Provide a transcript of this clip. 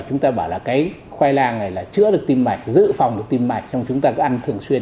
chúng ta bảo là cái khoai lang này là chữa được tim mạch giữ phòng được tiêm mạch trong chúng ta cứ ăn thường xuyên